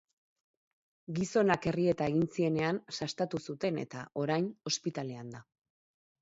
Gizonak errieta egin zienean sastatu zuten eta, orain, ospitalean da.